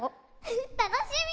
たのしみ！